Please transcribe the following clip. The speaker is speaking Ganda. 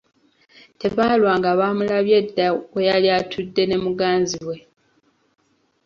Tebaalwa nga baamulabye dda we yali attude ne muganzi we.